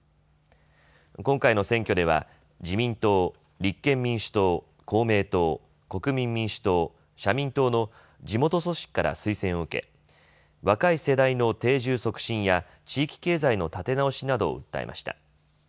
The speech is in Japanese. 今回の選挙では自民党、立憲民主党、公明党、国民民主党、社民党の地元組織から推薦を受け若い世代の定住促進や地域経済の立て直しなどを訴えました。